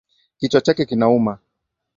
Kichwa chake kinauma.